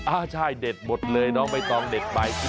อ่าใช่เด็ดหมดเลยน้องใบตองเด็ดไป